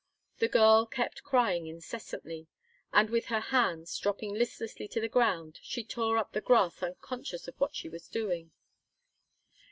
The girl kept crying incessantly, and with her hands dropping listlessly to the ground, she tore up the grass unconscious of what she was doing.